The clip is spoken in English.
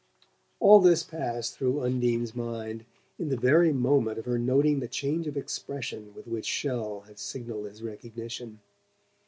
All this passed through Undine's mind in the very moment of her noting the change of expression with which Chelles had signalled his recognition.